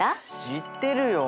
知ってるよ。